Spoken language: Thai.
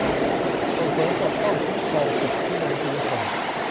ส่งเสริม ปกป้อง คุ้มครองสิทธิมนุษยชน